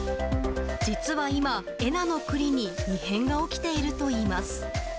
実は今、恵那の栗に異変が起きているといいます。